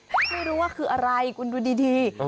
ไม่รู้ว่าคืออะไรคุณดูดี